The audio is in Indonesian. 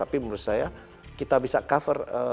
tapi menurut saya kita bisa cover